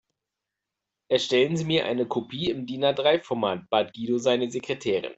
Erstellen Sie mir eine Kopie im DIN-A-drei Format, bat Guido seine Sekretärin.